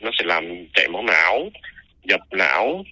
nó sẽ làm chạy máu não dập não